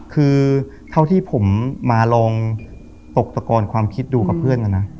คือเท่าที่ผมมาลองตกตะกอนความคิดดูกับเพื่อนกันนะ